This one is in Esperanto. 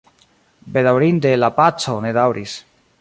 Bedaŭrinde la paco ne daŭris.